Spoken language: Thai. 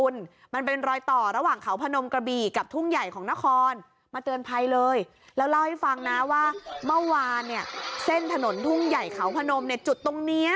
แล้วเล่าให้ฟังนะว่าเมื่อวานเนี่ยเส้นถนนทุ่งใหญ่เขาพนมเนี่ยจุดตรงนี้